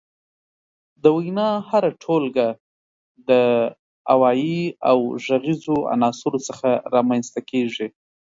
د وينا هره ټولګه د اوايي او غږيزو عناصرو څخه رامنځ ته کيږي.